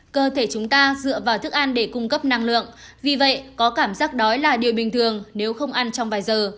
cơ thể chúng ta dựa vào thức ăn để cung cấp năng lượng vì vậy có cảm giác đói là điều bình thường nếu không ăn trong vài giờ